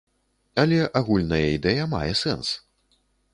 Але агульная ідэя мае сэнс.